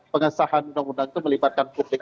pengesahan undang undang itu melibatkan publik